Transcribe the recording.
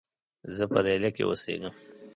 زۀ په لیلیه کې اوسېږم.